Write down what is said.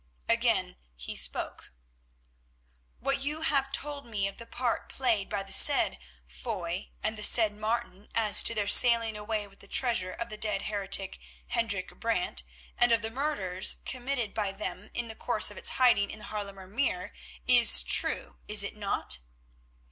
Again he spoke: "What you have told me of the part played by the said Foy and the said Martin as to their sailing away with the treasure of the dead heretic, Hendrik Brant, and of the murders committed by them in the course of its hiding in the Haarlemer Meer, is true, is it not?"